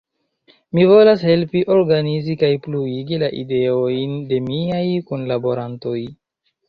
Mi volas helpi organizi kaj pluigi la ideojn de miaj kunlaborantoj.